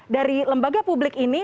dari lembaga publik ini